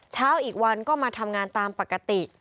เช้าอีกวันก็มาทำงานตามปกติ